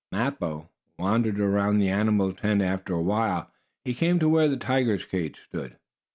Mappo wandered around the animal tent. After a while he came to where the tiger's cage stood.